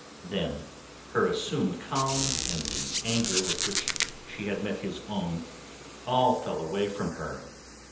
Then her assumed calm and the anger with which she had met his own all fell away from her.